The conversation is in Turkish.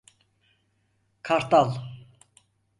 Kartal…